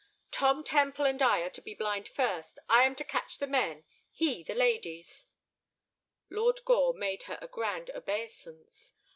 "Tom Temple and I are to be blind first. I am to catch the men, he—the ladies." Lord Gore made her a grand obeisance.